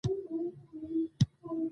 تاسو چیرې ولاړی؟